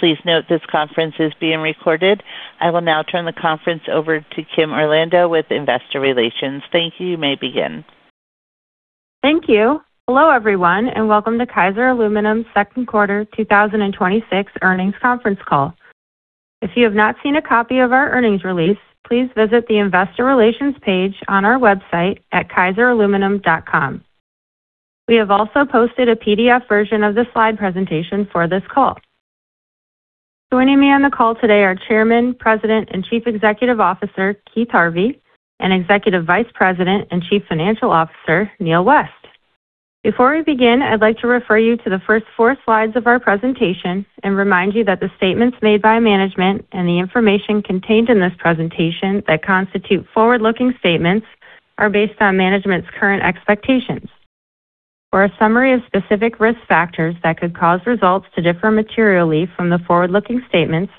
Please note this conference is being recorded. I will now turn the conference over to Kim Orlando with Investor Relations. Thank you. You may begin. Thank you. Hello, everyone, and welcome to Kaiser Aluminum's second quarter 2026 earnings conference call. If you have not seen a copy of our earnings release, please visit the investor relations page on our website at kaiseraluminum.com. We have also posted a PDF version of the slide presentation for this call. Joining me on the call today are Chairman, President, and Chief Executive Officer, Keith Harvey, and Executive Vice President and Chief Financial Officer, Neal West. Before we begin, I'd like to refer you to the first four slides of our presentation and remind you that the statements made by management and the information contained in this presentation that constitute forward-looking statements are based on management's current expectations. For a summary of specific risk factors that could cause results to differ materially from the forward-looking statements,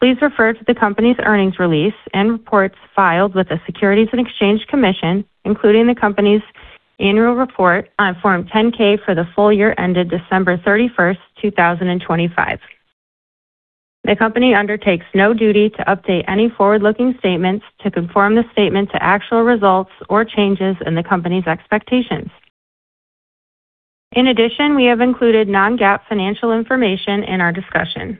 please refer to the company's earnings release and reports filed with the Securities and Exchange Commission, including the company's annual report on Form 10-K for the full-year ended December 31st, 2025. The company undertakes no duty to update any forward-looking statements to conform the statement to actual results or changes in the company's expectations. In addition, we have included non-GAAP financial information in our discussion.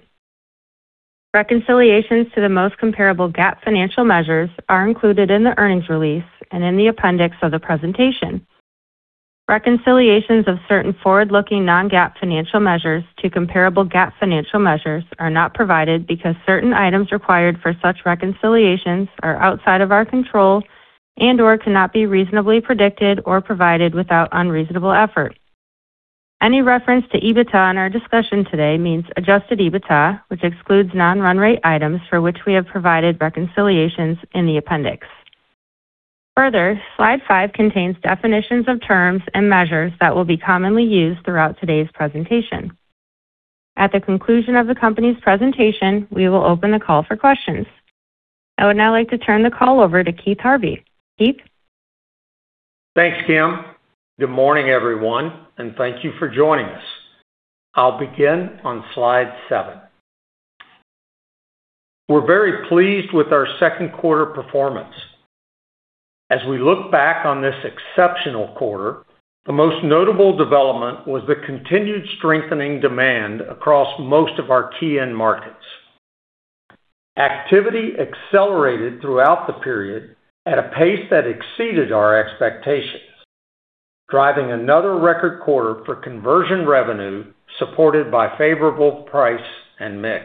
Reconciliations to the most comparable GAAP financial measures are included in the earnings release and in the appendix of the presentation. Reconciliations of certain forward-looking non-GAAP financial measures to comparable GAAP financial measures are not provided because certain items required for such reconciliations are outside of our control and/or cannot be reasonably predicted or provided without unreasonable effort. Any reference to EBITDA in our discussion today means adjusted EBITDA, which excludes non-run rate items for which we have provided reconciliations in the appendix. Further, slide five contains definitions of terms and measures that will be commonly used throughout today's presentation. At the conclusion of the company's presentation, we will open the call for questions. I would now like to turn the call over to Keith Harvey. Keith? Thanks, Kim. Good morning, everyone, and thank you for joining us. I'll begin on slide seven. We're very pleased with our second quarter performance. As we look back on this exceptional quarter, the most notable development was the continued strengthening demand across most of our key end markets. Activity accelerated throughout the period at a pace that exceeded our expectations, driving another record quarter for conversion revenue supported by favorable price and mix.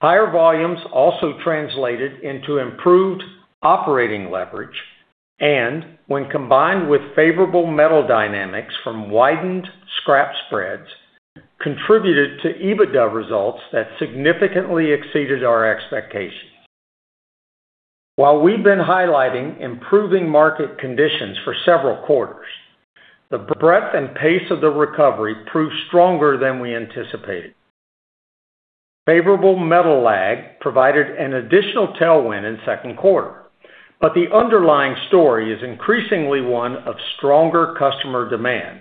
Higher volumes also translated into improved operating leverage and, when combined with favorable metal dynamics from widened scrap spreads, contributed to EBITDA results that significantly exceeded our expectations. While we've been highlighting improving market conditions for several quarters, the breadth and pace of the recovery proved stronger than we anticipated. Favorable metal lag provided an additional tailwind in second quarter. The underlying story is increasingly one of stronger customer demand,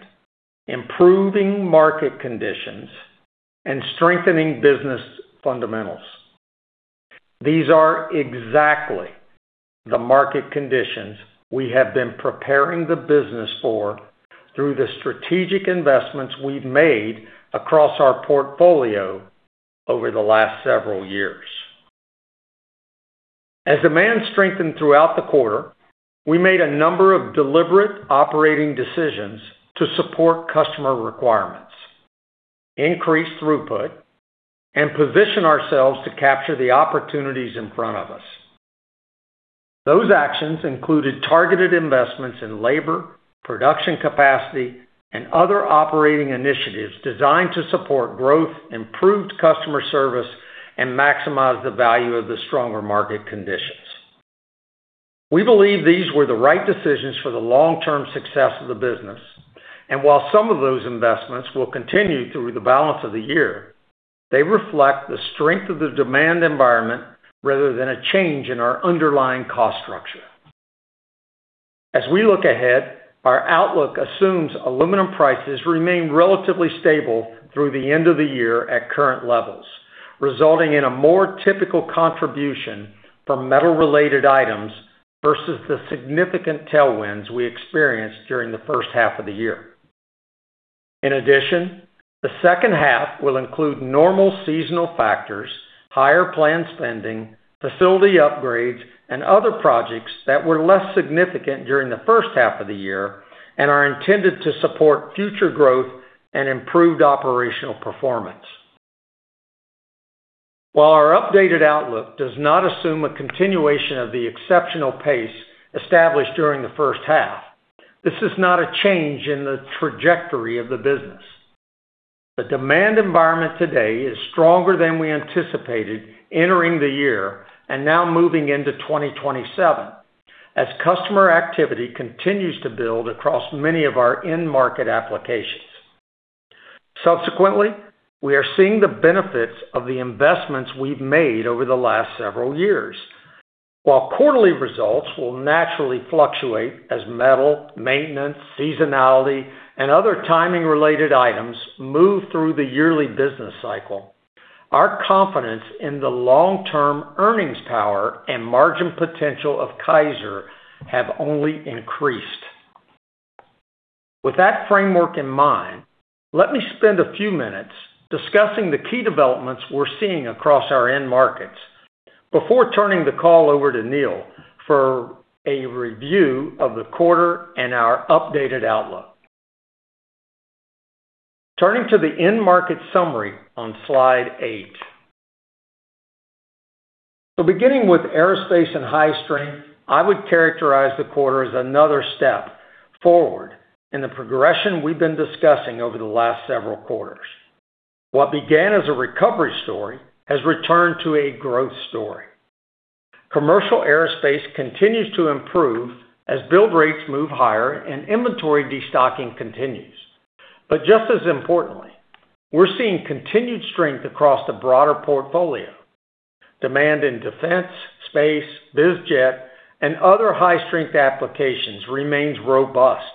improving market conditions, and strengthening business fundamentals. These are exactly the market conditions we have been preparing the business for through the strategic investments we've made across our portfolio over the last several years. As demand strengthened throughout the quarter, we made a number of deliberate operating decisions to support customer requirements, increase throughput, and position ourselves to capture the opportunities in front of us. Those actions included targeted investments in labor, production capacity, and other operating initiatives designed to support growth, improved customer service, and maximize the value of the stronger market conditions. We believe these were the right decisions for the long-term success of the business. While some of those investments will continue through the balance of the year, they reflect the strength of the demand environment rather than a change in our underlying cost structure. As we look ahead, our outlook assumes aluminum prices remain relatively stable through the end of the year at current levels, resulting in a more typical contribution from metal-related items versus the significant tailwinds we experienced during the first half of the year. In addition, the second half will include normal seasonal factors, higher planned spending, facility upgrades, and other projects that were less significant during the first half of the year and are intended to support future growth and improved operational performance. While our updated outlook does not assume a continuation of the exceptional pace established during the first half, this is not a change in the trajectory of the business. The demand environment today is stronger than we anticipated entering the year and now moving into 2027, as customer activity continues to build across many of our end-market applications. Subsequently, we are seeing the benefits of the investments we've made over the last several years. While quarterly results will naturally fluctuate as metal, maintenance, seasonality, and other timing-related items move through the yearly business cycle, our confidence in the long-term earnings power and margin potential of Kaiser have only increased. With that framework in mind, let me spend a few minutes discussing the key developments we're seeing across our end markets before turning the call over to Neal for a review of the quarter and our updated outlook. Turning to the end market summary on slide eight. Beginning with aerospace and high strength, I would characterize the quarter as another step forward in the progression we've been discussing over the last several quarters. What began as a recovery story has returned to a growth story. Commercial aerospace continues to improve as build rates move higher and inventory destocking continues. Just as importantly, we're seeing continued strength across the broader portfolio. Demand in defense, space, biz jet, and other high-strength applications remains robust,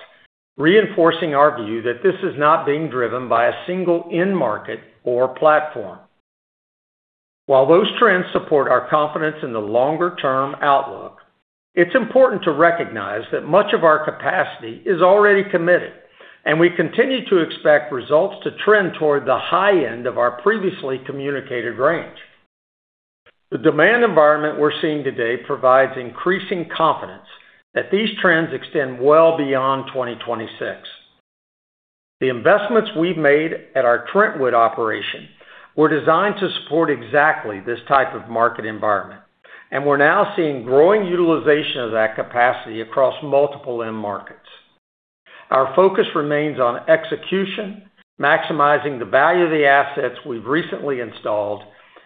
reinforcing our view that this is not being driven by a single end market or platform. While those trends support our confidence in the longer-term outlook, it's important to recognize that much of our capacity is already committed, and we continue to expect results to trend toward the high end of our previously communicated range. The demand environment we're seeing today provides increasing confidence that these trends extend well beyond 2026. The investments we've made at our Trentwood operation were designed to support exactly this type of market environment. We're now seeing growing utilization of that capacity across multiple end markets. Our focus remains on execution, maximizing the value of the assets we've recently installed,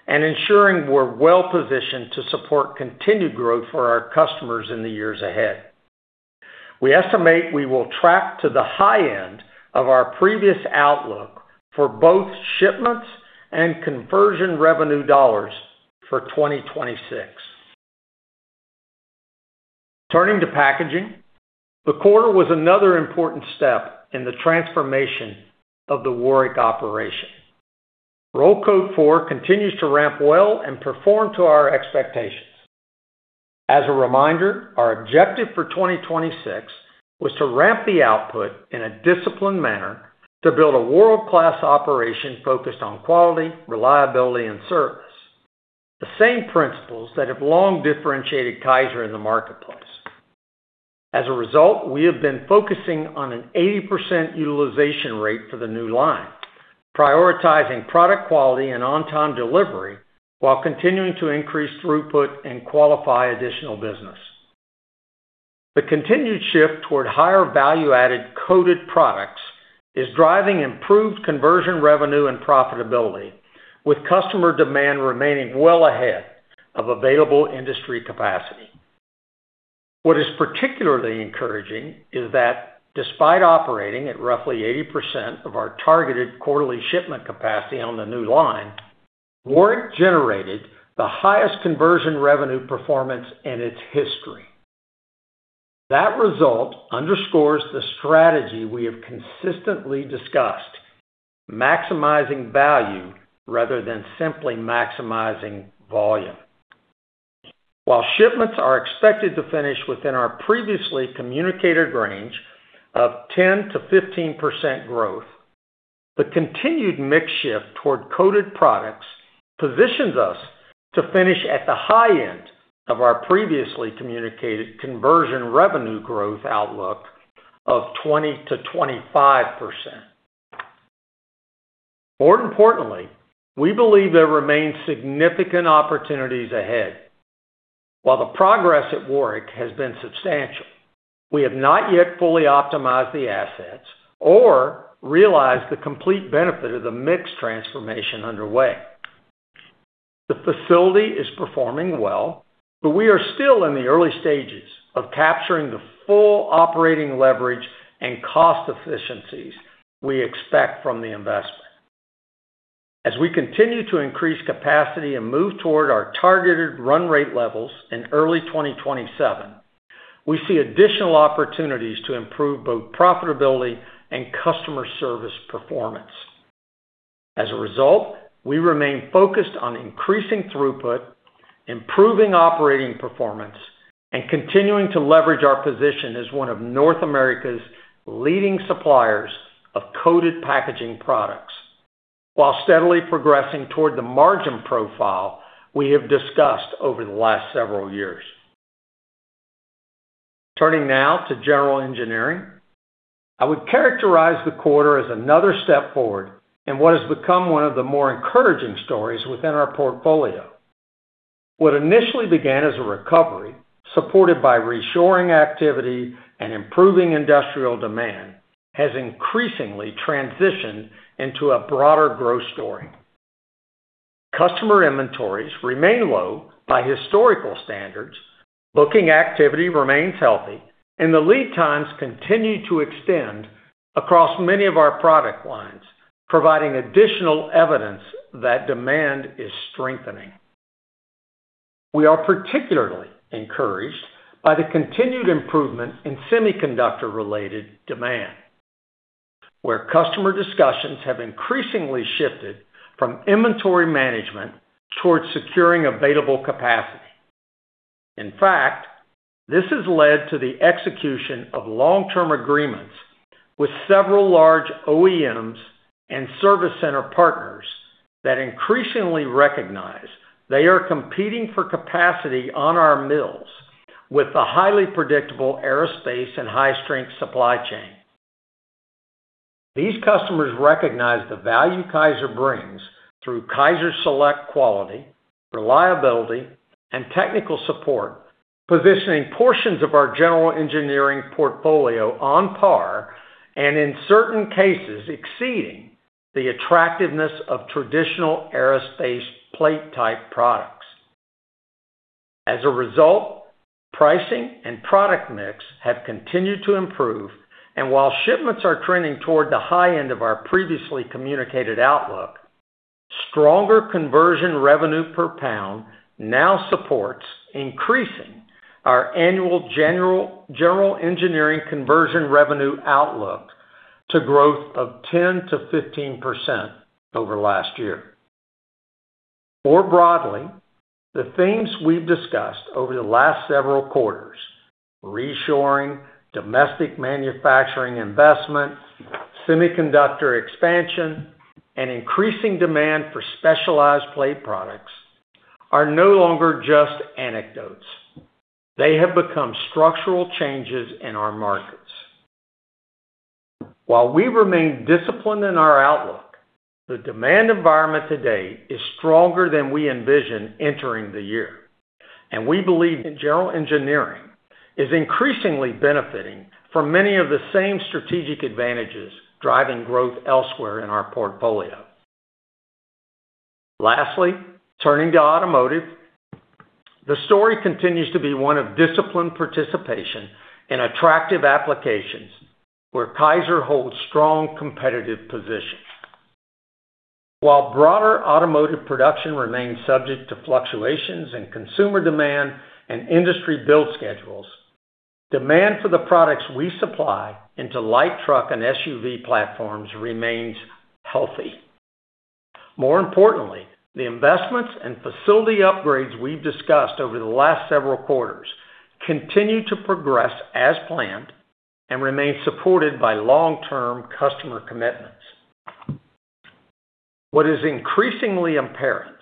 and ensuring we're well-positioned to support continued growth for our customers in the years ahead. We estimate we will track to the high end of our previous outlook for both shipments and conversion revenue dollars for 2026. Turning to packaging, the quarter was another important step in the transformation of the Warrick operation. Roll Coat 4 continues to ramp well and perform to our expectations. As a reminder, our objective for 2026 was to ramp the output in a disciplined manner to build a world-class operation focused on quality, reliability, and service, the same principles that have long differentiated Kaiser in the marketplace. As a result, we have been focusing on an 80% utilization rate for the new line, prioritizing product quality and on-time delivery while continuing to increase throughput and qualify additional business. The continued shift toward higher value-added coated products is driving improved conversion revenue and profitability, with customer demand remaining well ahead of available industry capacity. What is particularly encouraging is that despite operating at roughly 80% of our targeted quarterly shipment capacity on the new line, Warrick generated the highest conversion revenue performance in its history. That result underscores the strategy we have consistently discussed: maximizing value rather than simply maximizing volume. While shipments are expected to finish within our previously communicated range of 10%-15% growth, the continued mix shift toward coated products positions us to finish at the high end of our previously communicated conversion revenue growth outlook of 20%-25%. More importantly, we believe there remains significant opportunities ahead. While the progress at Warrick has been substantial, we have not yet fully optimized the assets or realized the complete benefit of the mix transformation underway. The facility is performing well. We are still in the early stages of capturing the full operating leverage and cost efficiencies we expect from the investment. As we continue to increase capacity and move toward our targeted run rate levels in early 2027, we see additional opportunities to improve both profitability and customer service performance. As a result, we remain focused on increasing throughput, improving operating performance, and continuing to leverage our position as one of North America's leading suppliers of coated packaging products while steadily progressing toward the margin profile we have discussed over the last several years. Turning now to General Engineering. I would characterize the quarter as another step forward in what has become one of the more encouraging stories within our portfolio. What initially began as a recovery supported by reshoring activity and improving industrial demand has increasingly transitioned into a broader growth story. Customer inventories remain low by historical standards. Booking activity remains healthy, and the lead times continue to extend across many of our product lines. Providing additional evidence that demand is strengthening. We are particularly encouraged by the continued improvement in semiconductor-related demand, where customer discussions have increasingly shifted from inventory management towards securing available capacity. In fact, this has led to the execution of long-term agreements with several large OEMs and service center partners that increasingly recognize they are competing for capacity on our mills, with the highly predictable aerospace and high-strength supply chain. These customers recognize the value Kaiser brings through KaiserSelect quality, reliability, and technical support, positioning portions of our General Engineering portfolio on par, and in certain cases, exceeding the attractiveness of traditional aerospace plate type products. As a result, pricing and product mix have continued to improve. While shipments are trending toward the high end of our previously communicated outlook, stronger conversion revenue per pound now supports increasing our annual General Engineering conversion revenue outlook to growth of 10%-15% over last year. More broadly, the themes we've discussed over the last several quarters, reshoring, domestic manufacturing investments, semiconductor expansion, and increasing demand for specialized plate products are no longer just anecdotes. They have become structural changes in our markets. While we remain disciplined in our outlook, the demand environment today is stronger than we envisioned entering the year. We believe that General Engineering is increasingly benefiting from many of the same strategic advantages driving growth elsewhere in our portfolio. Lastly, turning to automotive. The story continues to be one of disciplined participation in attractive applications where Kaiser holds strong competitive position. While broader automotive production remains subject to fluctuations in consumer demand and industry build schedules, demand for the products we supply into light truck and SUV platforms remains healthy. More importantly, the investments and facility upgrades we've discussed over the last several quarters continue to progress as planned and remain supported by long-term customer commitments. What is increasingly apparent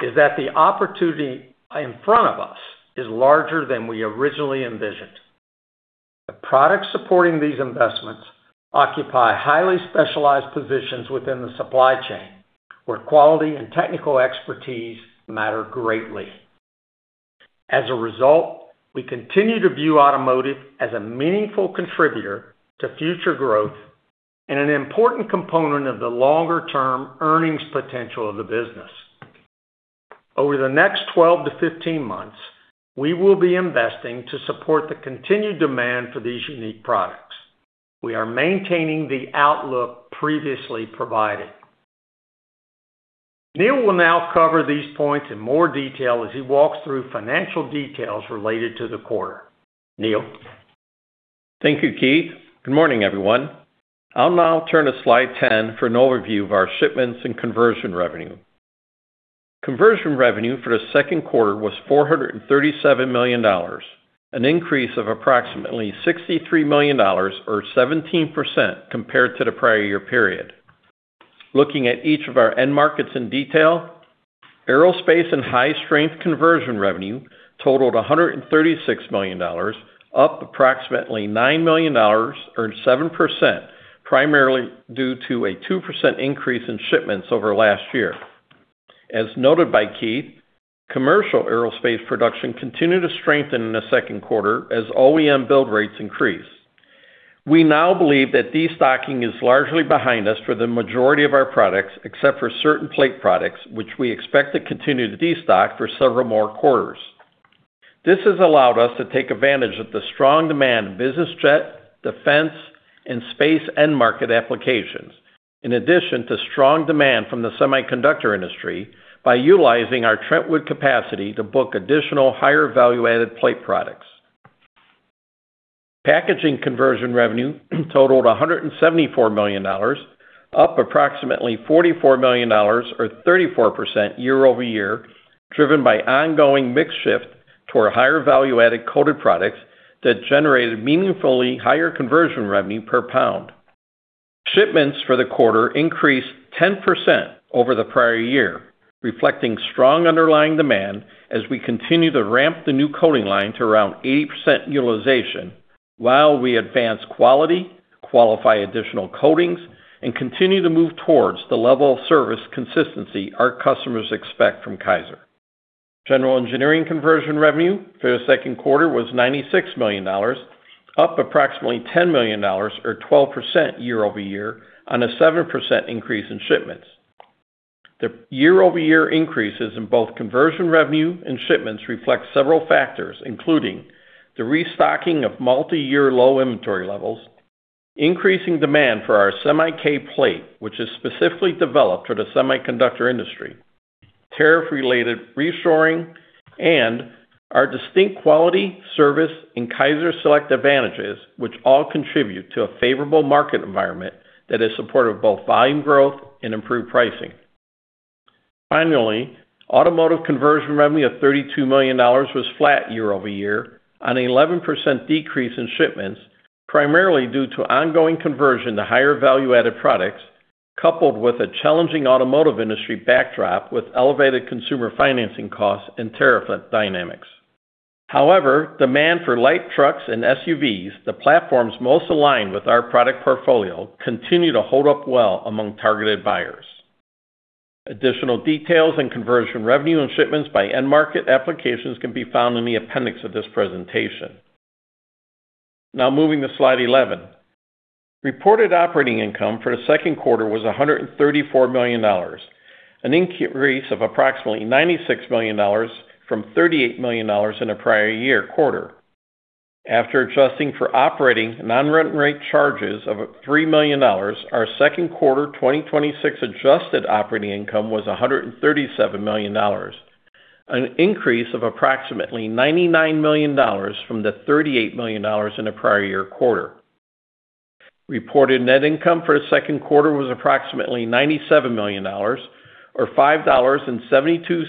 is that the opportunity in front of us is larger than we originally envisioned. The products supporting these investments occupy highly specialized positions within the supply chain, where quality and technical expertise matter greatly. As a result, we continue to view automotive as a meaningful contributor to future growth and an important component of the longer-term earnings potential of the business. Over the next 12 months-15 months, we will be investing to support the continued demand for these unique products. We are maintaining the outlook previously provided. Neal will now cover these points in more detail as he walks through financial details related to the quarter. Neal? Thank you, Keith. Good morning, everyone. I'll now turn to slide 10 for an overview of our shipments and conversion revenue. Conversion revenue for the second quarter was $437 million, an increase of approximately $63 million or 17% compared to the prior year period. Looking at each of our end markets in detail, aerospace and high-strength conversion revenue totaled $136 million, up approximately $9 million or 7%, primarily due to a 2% increase in shipments over last year. As noted by Keith, commercial aerospace production continued to strengthen in the second quarter as OEM build rates increased. We now believe that destocking is largely behind us for the majority of our products, except for certain plate products, which we expect to continue to destock for several more quarters. This has allowed us to take advantage of the strong demand in business jet, defense, and space end market applications, in addition to strong demand from the semiconductor industry, by utilizing our Trentwood capacity to book additional higher value-added plate products. Packaging conversion revenue totaled $174 million, up approximately $44 million or 34% year-over-year, driven by ongoing mix shift toward higher value-added coated products that generated meaningfully higher conversion revenue per pound. Shipments for the quarter increased 10% over the prior year, reflecting strong underlying demand as we continue to ramp the new coating line to around 80% utilization while we advance quality, qualify additional coatings, and continue to move towards the level of service consistency our customers expect from Kaiser. General Engineering conversion revenue for the second quarter was $96 million, up approximately $10 million or 12% year-over-year on a 7% increase in shipments. The year-over-year increases in both conversion revenue and shipments reflect several factors, including the restocking of multi-year low inventory levels, increasing demand for our SEMIK Plate, which is specifically developed for the semiconductor industry, tariff-related reshoring, and our distinct quality, service, and KaiserSelect advantages, which all contribute to a favorable market environment that is supportive of both volume growth and improved pricing. Automotive conversion revenue of $32 million was flat year-over-year on an 11% decrease in shipments, primarily due to ongoing conversion to higher value-added products, coupled with a challenging automotive industry backdrop with elevated consumer financing costs and tariff dynamics. However, demand for light trucks and SUVs, the platforms most aligned with our product portfolio, continue to hold up well among targeted buyers. Additional details and conversion revenue and shipments by end market applications can be found in the appendix of this presentation. Moving to slide 11. Reported operating income for the second quarter was $134 million, an increase of approximately $96 million from $38 million in the prior year quarter. After adjusting for operating and non-run rate charges of $3 million, our second quarter 2026 adjusted operating income was $137 million, an increase of approximately $99 million from the $38 million in the prior year quarter. Reported net income for the second quarter was approximately $97 million, or $5.72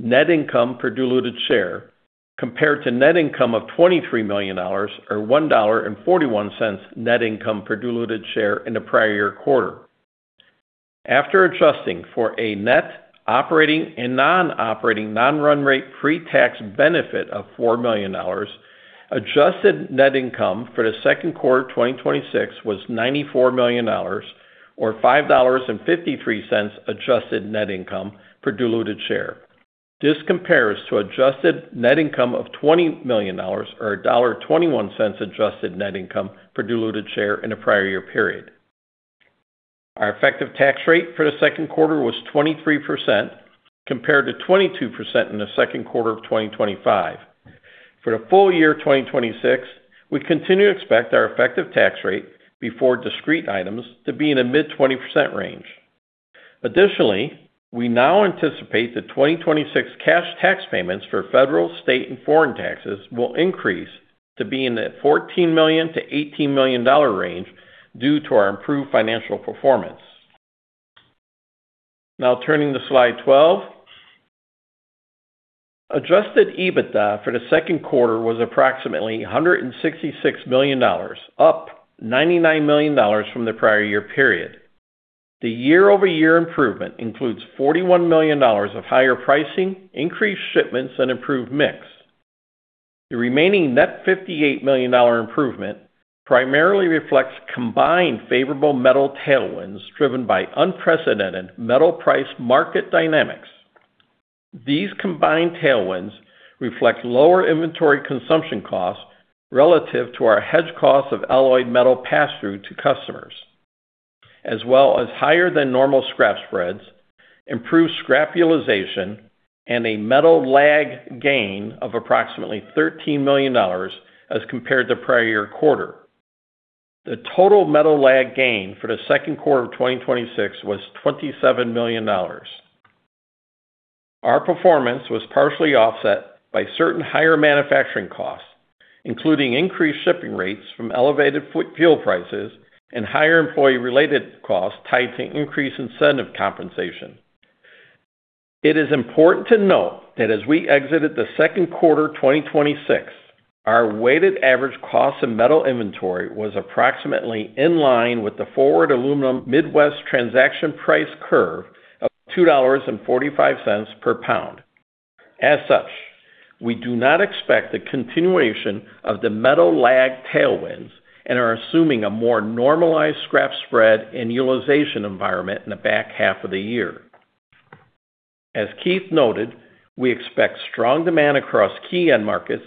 net income per diluted share, compared to net income of $23 million, or $1.41 net income per diluted share in the prior year quarter. After adjusting for a net operating and non-operating non-run rate pre-tax benefit of $4 million, adjusted net income for the second quarter of 2026 was $94 million, or $5.53 adjusted net income per diluted share. This compares to adjusted net income of $20 million, or $1.21 adjusted net income per diluted share in the prior year period. Our effective tax rate for the second quarter was 23%, compared to 22% in the second quarter of 2025. For the full-year 2026, we continue to expect our effective tax rate before discrete items to be in the mid-20% range. Additionally, we now anticipate the 2026 cash tax payments for federal, state, and foreign taxes will increase to be in the $14 million-$18 million range due to our improved financial performance. Turning to slide 12. Adjusted EBITDA for the second quarter was approximately $166 million, up $99 million from the prior year period. The year-over-year improvement includes $41 million of higher pricing, increased shipments, and improved mix. The remaining net $58 million improvement primarily reflects combined favorable metal tailwinds driven by unprecedented metal price market dynamics. These combined tailwinds reflect lower inventory consumption costs relative to our hedge costs of alloyed metal pass-through to customers, as well as higher than normal scrap spreads, improved scrap utilization, and a metal lag gain of approximately $13 million as compared to prior year quarter. The total metal lag gain for the second quarter of 2026 was $27 million. Our performance was partially offset by certain higher manufacturing costs, including increased shipping rates from elevated fuel prices and higher employee-related costs tied to increased incentive compensation. It is important to note that as we exited the second quarter 2026, our weighted average cost of metal inventory was approximately in line with the forward aluminum Midwest Transaction Price curve of $2.45 per pound. As such, we do not expect the continuation of the metal lag tailwinds and are assuming a more normalized scrap spread and utilization environment in the back half of the year. As Keith noted, we expect strong demand across key end markets,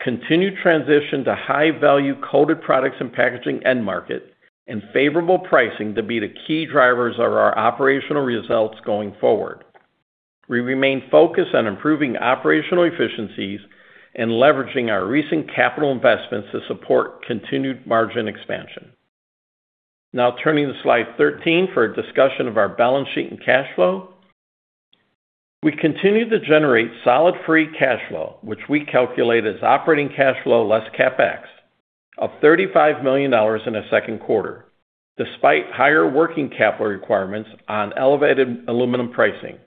continued transition to high-value coated products and packaging end markets, and favorable pricing to be the key drivers of our operational results going forward. We remain focused on improving operational efficiencies and leveraging our recent capital investments to support continued margin expansion. Turning to slide 13 for a discussion of our balance sheet and cash flow. We continue to generate solid free cash flow, which we calculate as operating cash flow less CapEx, of $35 million in the second quarter, despite higher working capital requirements on elevated aluminum pricing.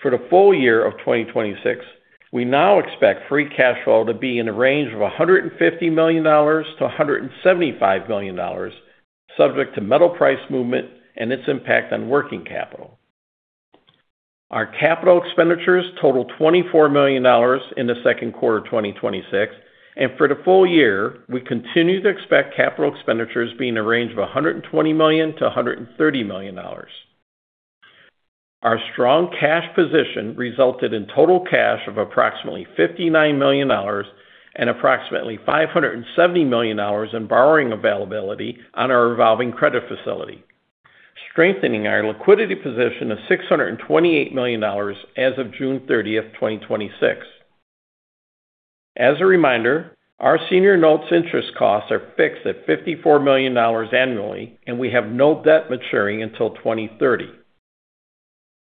For the full-year of 2026, we now expect free cash flow to be in the range of $150 million-$175 million, subject to metal price movement and its impact on working capital. Our capital expenditures totaled $24 million in the second quarter 2026, and for the full-year, we continue to expect capital expenditures be in the range of $120 million-$130 million. Our strong cash position resulted in total cash of approximately $59 million and approximately $570 million in borrowing availability on our revolving credit facility, strengthening our liquidity position of $628 million as of June 30th, 2026. As a reminder, our senior notes interest costs are fixed at $54 million annually, and we have no debt maturing until 2030.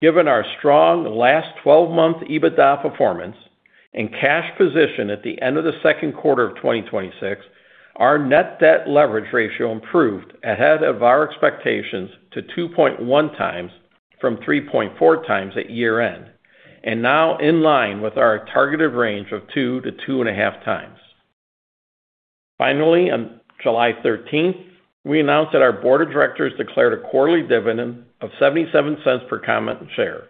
Given our strong last 12-month EBITDA performance and cash position at the end of the second quarter of 2026, our net debt leverage ratio improved ahead of our expectations to 2.1x from 3.4x at year-end, and now in line with our targeted range of 2x-2.5x. Finally, on July 13th, we announced that our board of directors declared a quarterly dividend of $0.77 per common share,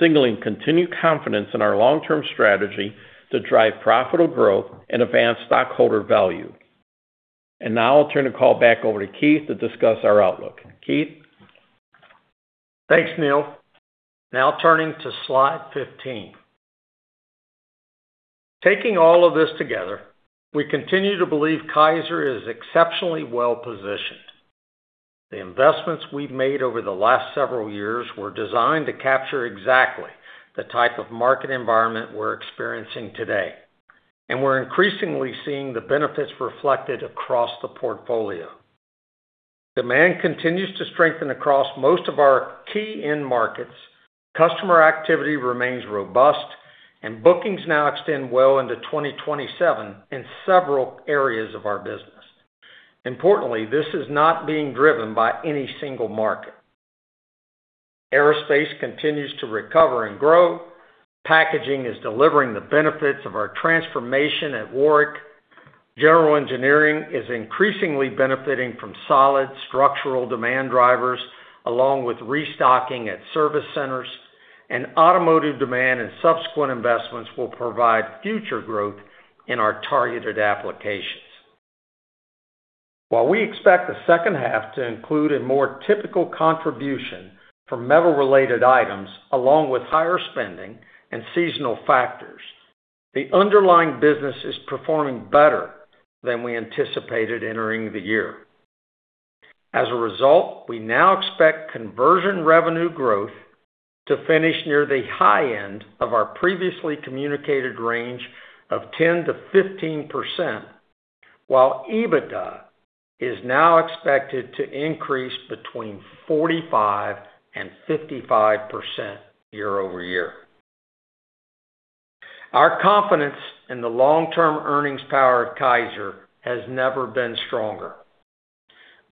signaling continued confidence in our long-term strategy to drive profitable growth and advance stockholder value. Now I'll turn the call back over to Keith to discuss our outlook. Keith? Thanks, Neal. Now turning to slide 15. Taking all of this together, we continue to believe Kaiser is exceptionally well-positioned. The investments we've made over the last several years were designed to capture exactly the type of market environment we're experiencing today, and we're increasingly seeing the benefits reflected across the portfolio. Demand continues to strengthen across most of our key end markets. Customer activity remains robust, and bookings now extend well into 2027 in several areas of our business. Importantly, this is not being driven by any single market. Aerospace continues to recover and grow. Packaging is delivering the benefits of our transformation at Warrick. General Engineering is increasingly benefiting from solid structural demand drivers, along with restocking at service centers, and automotive demand and subsequent investments will provide future growth in our targeted applications. While we expect the second half to include a more typical contribution for metal-related items, along with higher spending and seasonal factors, the underlying business is performing better than we anticipated entering the year. As a result, we now expect conversion revenue growth to finish near the high end of our previously communicated range of 10%-15%, while EBITDA is now expected to increase between 45% and 55% year-over-year. Our confidence in the long-term earnings power of Kaiser has never been stronger.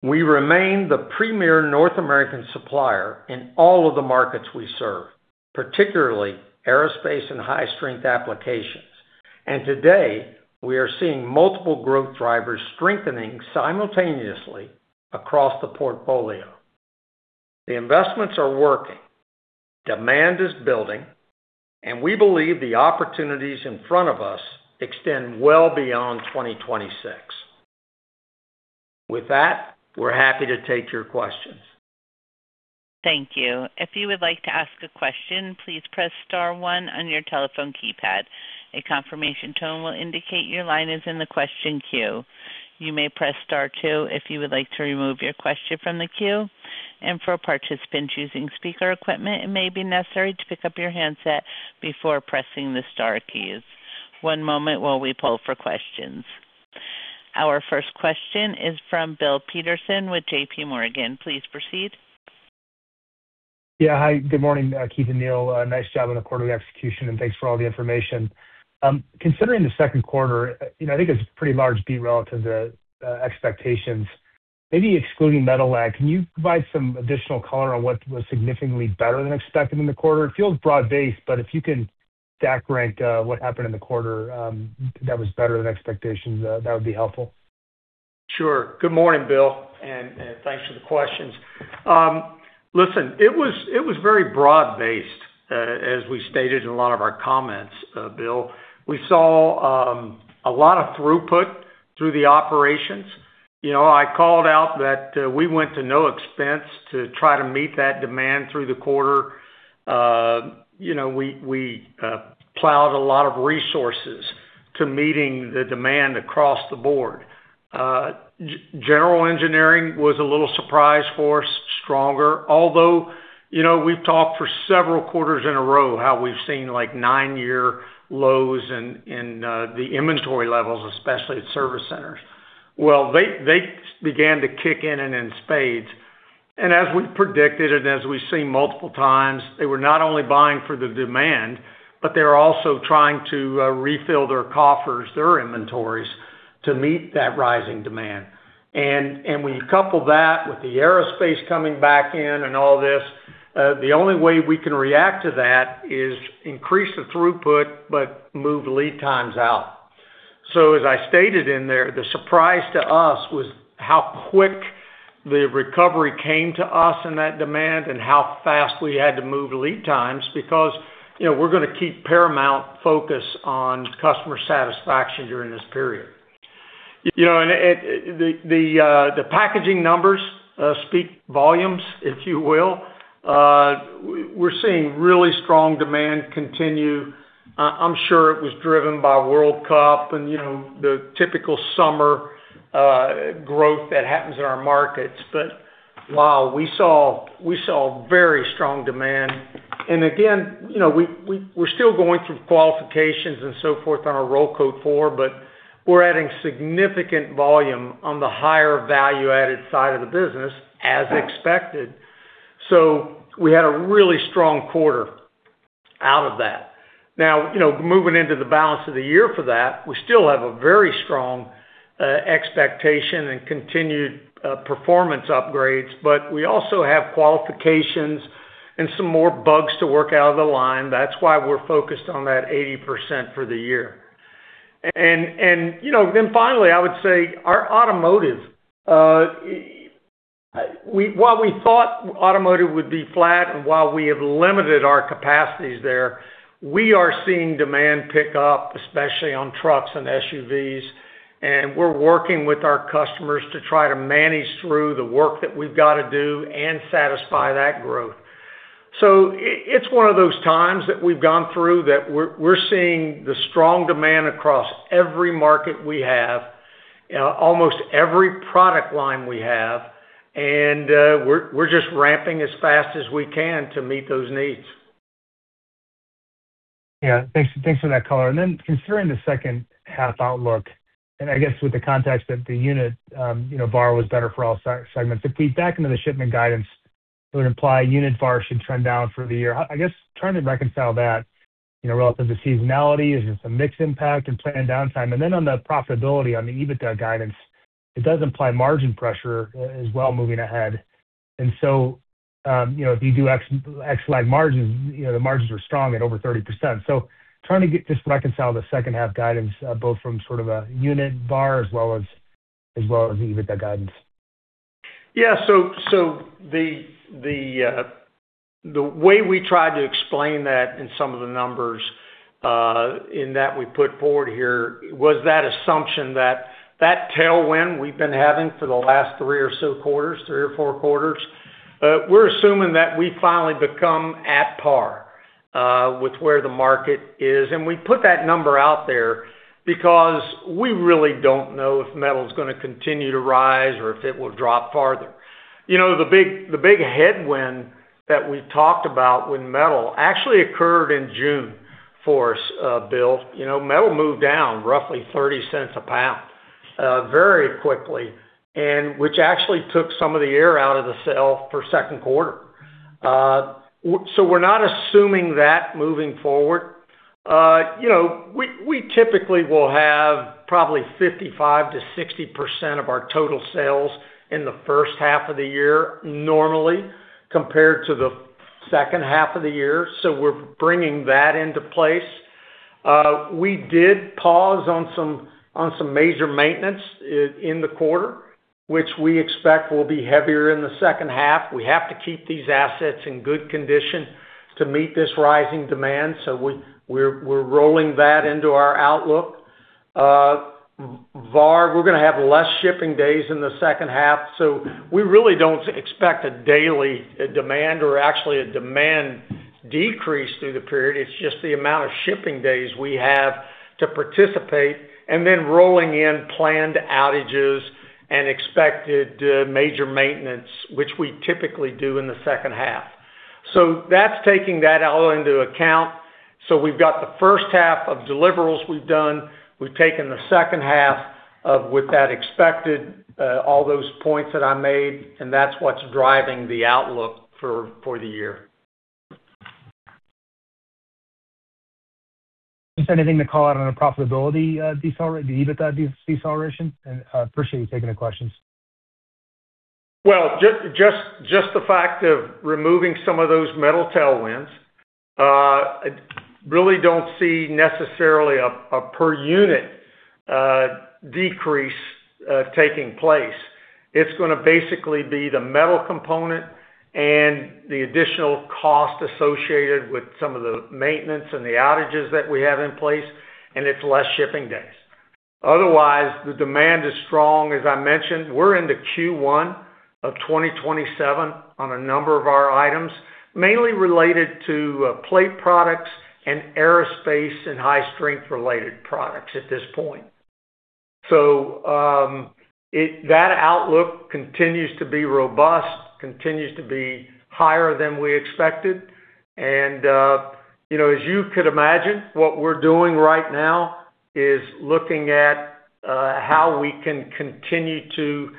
We remain the premier North American supplier in all of the markets we serve, particularly aerospace and high-strength applications. Today, we are seeing multiple growth drivers strengthening simultaneously across the portfolio. The investments are working. Demand is building, and we believe the opportunities in front of us extend well beyond 2026. With that, we're happy to take your questions. Thank you. If you would like to ask a question, please press star one on your telephone keypad. A confirmation tone will indicate your line is in the question queue. You may press star two if you would like to remove your question from the queue. For participants using speaker equipment, it may be necessary to pick up your handset before pressing the star keys. One moment while we pull for questions. Our first question is from Bill Peterson with JPMorgan. Please proceed. Yeah. Hi, good morning, Keith and Neal. Nice job on the quarterly execution, and thanks for all the information. Considering the second quarter, I think it's a pretty large beat relative to expectations. Maybe excluding metal lag, can you provide some additional color on what was significantly better than expected in the quarter? If you can stack rank what happened in the quarter that was better than expectations, that would be helpful. Sure. Good morning, Bill, thanks for the questions. Listen, it was very broad-based, as we stated in a lot of our comments, Bill. We saw a lot of throughput through the operations. I called out that we went to no expense to try to meet that demand through the quarter. We plowed a lot of resources to meeting the demand across the board. General Engineering was a little surprise for us, stronger. Although, we've talked for several quarters in a row how we've seen like nine-year lows in the inventory levels, especially at service centers. They began to kick in and in spades. As we predicted, and as we've seen multiple times, they were not only buying for the demand, but they were also trying to refill their coffers, their inventories to meet that rising demand. When you couple that with the aerospace coming back in and all this, the only way we can react to that is increase the throughput, but move lead times out. As I stated in there, the surprise to us was how quick the recovery came to us in that demand and how fast we had to move lead times because we're going to keep paramount focus on customer satisfaction during this period. The packaging numbers speak volumes, if you will. We're seeing really strong demand continue. I'm sure it was driven by World Cup and the typical summer growth that happens in our markets. Wow, we saw very strong demand. Again, we're still going through qualifications and so forth on our Roll Coat 4, but we're adding significant volume on the higher value-added side of the business, as expected. We had a really strong quarter out of that. Now, moving into the balance of the year for that, we still have a very strong expectation and continued performance upgrades, but we also have qualifications and some more bugs to work out of the line. That's why we're focused on that 80% for the year. Finally, I would say our automotive. While we thought automotive would be flat, and while we have limited our capacities there, we are seeing demand pick up, especially on trucks and SUVs. We're working with our customers to try to manage through the work that we've got to do and satisfy that growth. It's one of those times that we've gone through that we're seeing the strong demand across every market we have, almost every product line we have, and we're just ramping as fast as we can to meet those needs. Yeah. Thanks for that color. Considering the second half outlook, and I guess with the context that the unit VAR was better for all segments. If we back into the shipment guidance, it would imply unit VAR should trend down for the year. I guess trying to reconcile that, relative to seasonality, is this a mix impact and planned downtime? On the profitability, on the EBITDA guidance, it does imply margin pressure as well moving ahead. If you do x-line margins, the margins are strong at over 30%. Trying to just reconcile the second half guidance, both from sort of a unit VAR as well as the EBITDA guidance. Yeah. The way we tried to explain that in some of the numbers in that we put forward here was that assumption that that tailwind we've been having for the last three or so quarters, three or four quarters, we're assuming that we finally become at par with where the market is. We put that number out there because we really don't know if metal's going to continue to rise or if it will drop farther. The big headwind that we talked about when metal actually occurred in June for us, Bill. Metal moved down roughly $0.30 a pound very quickly, and which actually took some of the air out of the sail for second quarter. We're not assuming that moving forward. We typically will have probably 55%-60% of our total sales in the first half of the year normally compared to the second half of the year. We're bringing that into place. We did pause on some major maintenance in the quarter, which we expect will be heavier in the second half. We have to keep these assets in good condition to meet this rising demand. We're rolling that into our outlook. VAR, we're going to have less shipping days in the second half. We really don't expect a daily demand or actually a demand decrease through the period. It's just the amount of shipping days we have to participate, and then rolling in planned outages and expected major maintenance, which we typically do in the second half. That's taking that all into account. We've got the first half of deliverables we've done. We've taken the second half of with that expected, all those points that I made, that's what's driving the outlook for the year. Just anything to call out on a profitability deceleration, the EBITDA deceleration? I appreciate you taking the questions. Well, just the fact of removing some of those metal tailwinds. I really don't see necessarily a per unit decrease taking place. It's going to basically be the metal component and the additional cost associated with some of the maintenance and the outages that we have in place, and it's less shipping days. Otherwise, the demand is strong. As I mentioned, we're into Q1 of 2027 on a number of our items, mainly related to plate products and aerospace and high-strength related products at this point. That outlook continues to be robust, continues to be higher than we expected. As you could imagine, what we're doing right now is looking at how we can continue to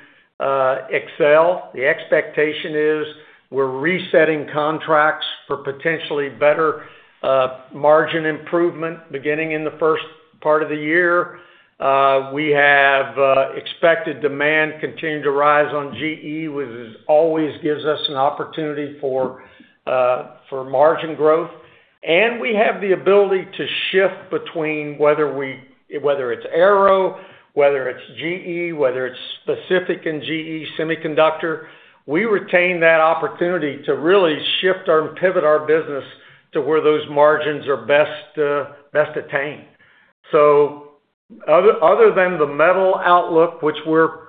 excel. The expectation is we're resetting contracts for potentially better margin improvement beginning in the first part of the year. We have expected demand continuing to rise on GE, which always gives us an opportunity for margin growth. We have the ability to shift between whether it's aero, whether it's GE, whether it's specific in GE Semiconductor. We retain that opportunity to really shift or pivot our business to where those margins are best attained. Other than the metal outlook, which we're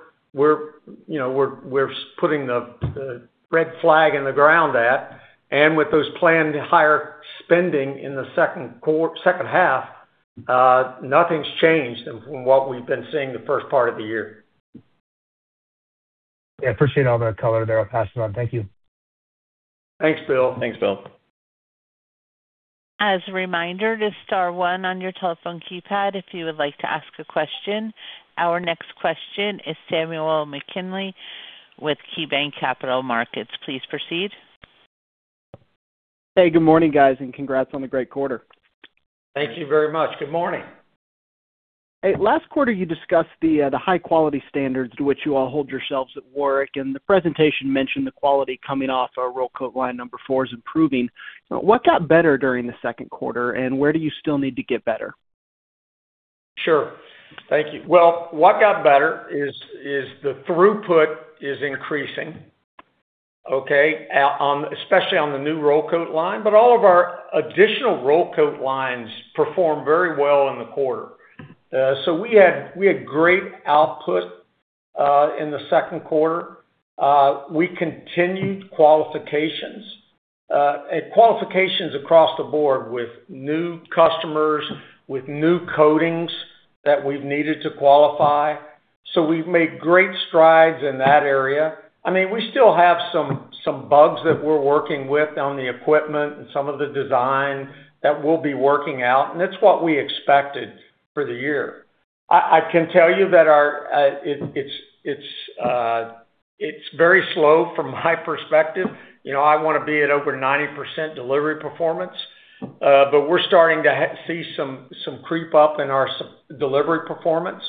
putting the red flag in the ground at, and with those planned higher spending in the second half, nothing's changed from what we've been seeing the first part of the year. Yeah, appreciate all the color there. I'll pass it on. Thank you. Thanks, Bill. Thanks, Bill. As a reminder, just star one on your telephone keypad if you would like to ask a question. Our next question is Samuel McKinney with KeyBanc Capital Markets. Please proceed. Hey, good morning, guys, and congrats on the great quarter. Thank you very much. Good morning. Hey, last quarter you discussed the high quality standards to which you all hold yourselves at Warrick, and the presentation mentioned the quality coming off our roll coat line number four is improving. What got better during the second quarter, and where do you still need to get better? Sure. Thank you. Well, what got better is the throughput is increasing, okay? Especially on the new roll coat line. All of our additional roll coat lines performed very well in the quarter. We had great output, in the second quarter. We continued qualifications. Qualifications across the board with new customers, with new coatings that we've needed to qualify. We've made great strides in that area. We still have some bugs that we're working with on the equipment and some of the design that we'll be working out, and that's what we expected for the year. I can tell you that it's very slow from my perspective. I want to be at over 90% delivery performance. We're starting to see some creep up in our delivery performance.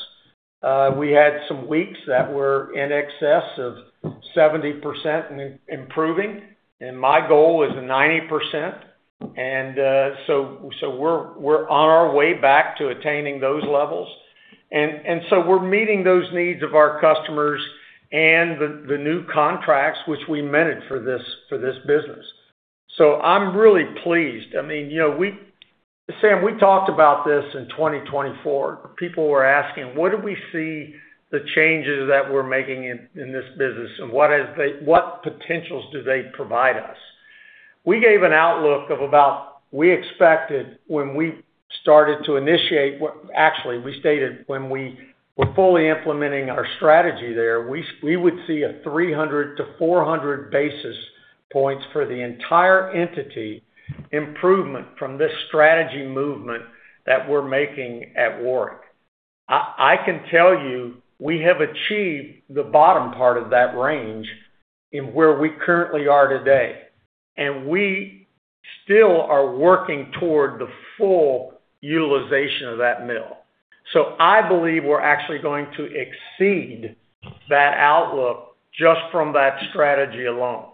We had some weeks that were in excess of 70% and improving, and my goal is 90%. We're on our way back to attaining those levels. We're meeting those needs of our customers and the new contracts which we minted for this business. I'm really pleased. Sam, we talked about this in 2024. People were asking, where do we see the changes that we're making in this business, and what potentials do they provide us? We gave an outlook of about, we stated when we were fully implementing our strategy there, we would see a 300 basis points-400 basis points for the entire entity improvement from this strategy movement that we're making at Warrick. I can tell you, we have achieved the bottom part of that range in where we currently are today, and we still are working toward the full utilization of that mill. I believe we're actually going to exceed that outlook just from that strategy alone.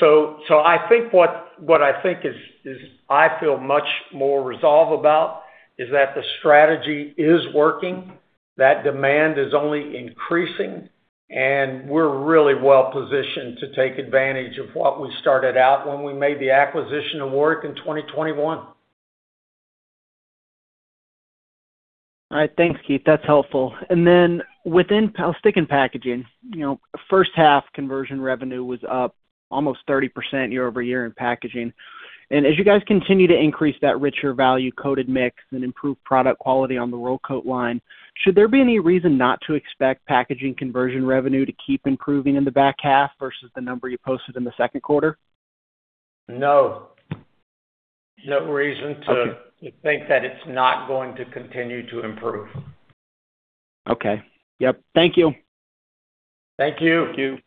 What I think is I feel much more resolve about is that the strategy is working, that demand is only increasing, and we're really well-positioned to take advantage of what we started out when we made the acquisition of Warrick in 2021. All right. Thanks, Keith. That's helpful. Within stick and packaging, first half conversion revenue was up almost 30% year-over-year in packaging. As you guys continue to increase that richer value-coated mix and improve product quality on the roll coat line, should there be any reason not to expect packaging conversion revenue to keep improving in the back half versus the number you posted in the second quarter? No. Okay think that it's not going to continue to improve. Okay. Yep. Thank you. Thank you. Thank you.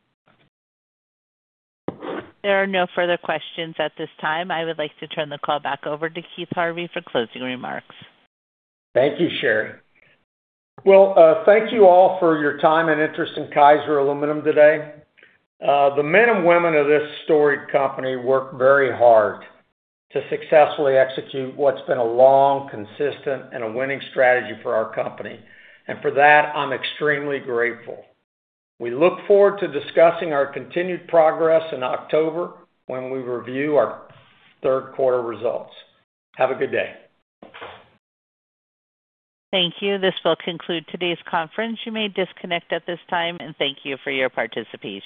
There are no further questions at this time. I would like to turn the call back over to Keith Harvey for closing remarks. Thank you, Sherry. Well, thank you all for your time and interest in Kaiser Aluminum today. The men and women of this storied company work very hard to successfully execute what's been a long, consistent, and a winning strategy for our company. For that, I'm extremely grateful. We look forward to discussing our continued progress in October when we review our third quarter results. Have a good day. Thank you. This will conclude today's conference. You may disconnect at this time, and thank you for your participation.